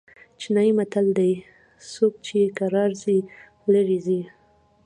چینايي متل دئ: څوک چي کرار ځي؛ ليري ځي.